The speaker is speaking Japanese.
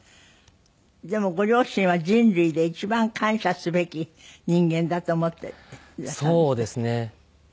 でもご両親は人類で一番感謝すべき人間だと思っていらっしゃるんですって？